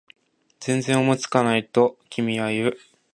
全然思いつかない？と君は言う